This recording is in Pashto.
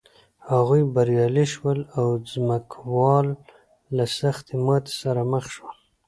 هغوی بریالي شول او ځمکوال له سختې ماتې سره مخ شول.